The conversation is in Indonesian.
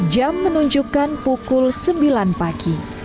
jam menunjukkan pukul sembilan pagi